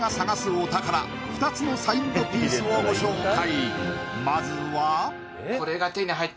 お宝２つのサインドピースをご紹介